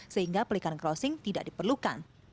sehingga pelikan crossing tidak diperlukan